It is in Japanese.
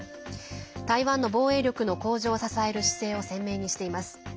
台湾の防衛力の向上を支える姿勢を鮮明にしています。